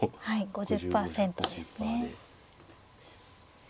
５０％ですね。